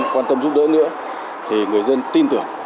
quan tâm giúp đỡ nữa thì người dân tin tưởng